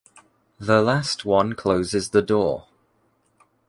The last one closes the door.